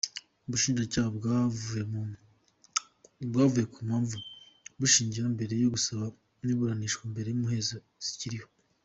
Ubushinjacyaha bwavuze ko impamvu bwashingiyeho mbere busaba ko ruburanishwa mu muhezo zikiriho.